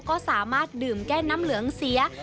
ก็สามารถดื่มแก้น้ำเหลืองเสีย